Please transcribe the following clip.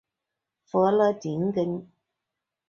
弗勒宁根。